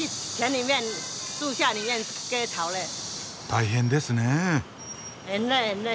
大変ですねえ。